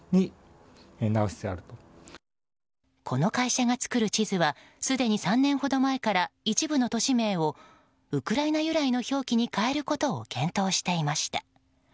この会社が作る地図はすでに３年ほど前から一部の都市名をウクライナ由来の表記に変えることを検討していました。